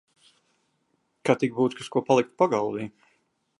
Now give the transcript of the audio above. Kad tik būtu kas ko palikt pagalvī.